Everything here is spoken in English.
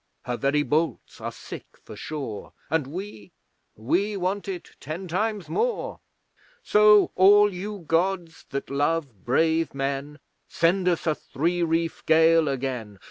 Her very bolts are sick for shore, And we we want it ten times more! So all you Gods that love brave men, Send us a three reef gale again!